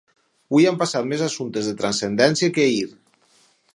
Avui han passat més assumptes de transcendència que ahir.